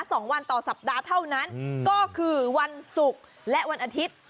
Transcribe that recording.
สองวันต่อสัปดาห์เท่านั้นอืมก็คือวันศุกร์และวันอาทิตย์